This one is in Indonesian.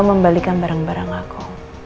membalikan barang barang aku